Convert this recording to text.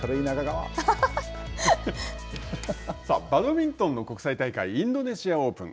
さあ、バドミントンの国際大会インドネシアオープン。